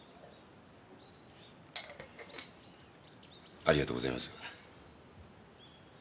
ありがとうございます。